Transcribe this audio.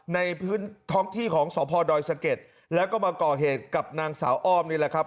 ในพื้นที่ท้องที่ของสพดอยสะเก็ดแล้วก็มาก่อเหตุกับนางสาวอ้อมนี่แหละครับ